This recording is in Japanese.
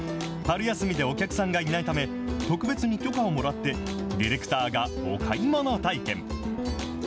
春休みでお客さんがいないため、特別に許可をもらって、ディレクターがお買い物体験。